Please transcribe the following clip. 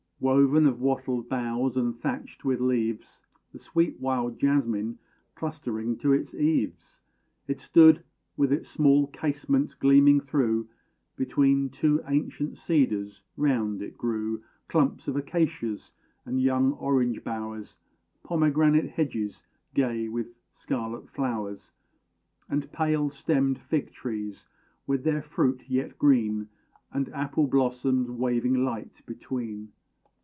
Woven of wattled boughs, and thatched with leaves, The sweet wild jasmine clustering to its eaves, It stood, with its small casement gleaming through Between two ancient cedars. Round it grew Clumps of acacias and young orange bowers, Pomegranate hedges, gay with scarlet flowers, And pale stemmed fig trees with their fruit yet green, And apple blossoms waving light between.